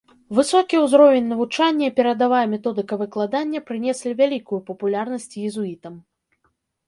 Высокі ўзровень навучання і перадавая методыка выкладання прынеслі вялікую папулярнасць езуітам.